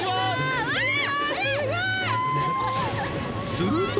すごい！